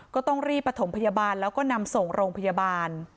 ก็ต้องรีบประถมพยาบาลแล้วก็นำส่งโรงพยาบาล